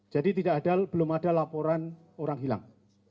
jadi tidak ada belum ada laporan orang hilang